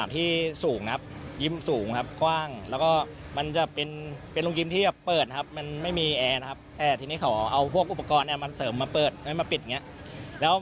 ถ้าเล่นไปเรื่อยครับ